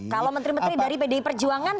kalau menteri menteri dari pdi perjuangan